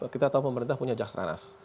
kita tahu pemerintah punya jasranas